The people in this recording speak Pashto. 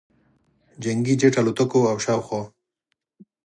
جنګي جټ الوتکو او شاوخوا